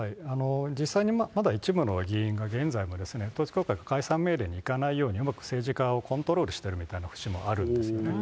実際にまだ一部の議員が現在も統一教会に解散命令にいかないように、うまく政治家をコントロールしてるみたいな節もあるんですね。